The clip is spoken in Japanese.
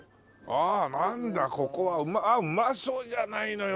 ああなんだここはうまそうじゃないのよ